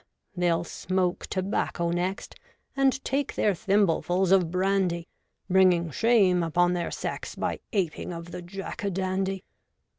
they'll smoke tobacco next, and take their thimblefuls of brandy, Bringing shame upon their sex, by aping of the jack a dandy.